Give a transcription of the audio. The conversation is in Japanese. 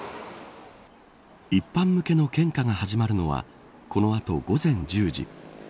一般向けの献花が始まるのはこの後、午前１０時。